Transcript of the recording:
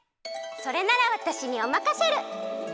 それならわたしにおまかシェル！